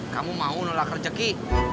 kamu mau nolak kerja ki